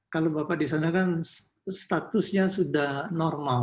kalau bapak di sana kan statusnya sudah normal